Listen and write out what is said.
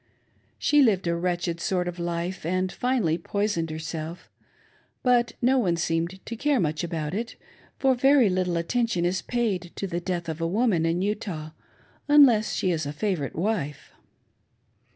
She lived a wretched sort of life, and, finally, poisoned herself ; but no one seemed to care much about it, for very little attention is paid to the death of a woman in Utah, unless she is a favorite wife.